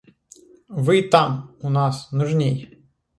Вы — там, у нас, нужней!